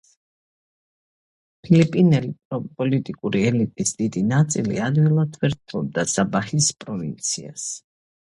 ფილიპინელი პოლიტიკური ელიტის დიდი ნაწილი ადვილად ვერ თმობდა საბაჰის პროვინციას.